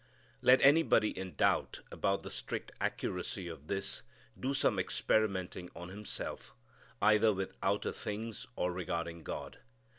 Let anybody in doubt about the strict accuracy of this do some experimenting on himself, either with outer things or regarding God.